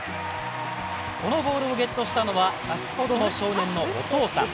このボールをゲットしたのは先ほどの少年のお父さん。